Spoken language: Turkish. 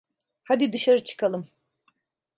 Hadi dışarı çıkalım.